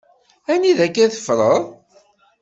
Anida akk-a teffreḍ?